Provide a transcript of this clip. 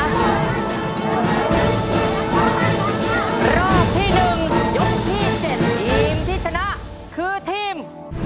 รอบที่๑ยกที่๗ทีมที่ชนะคือทีม